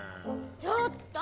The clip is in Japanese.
ちょっと！